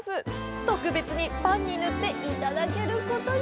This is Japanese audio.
特別に、パンに塗っていただけることに！